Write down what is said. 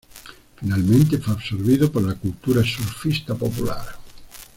Finalmente, fue absorbido por la cultura surfista popular.